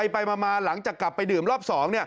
ไปมาหลังจากกลับไปดื่มรอบ๒